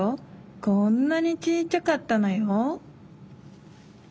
こんなにちいちゃかったのよ。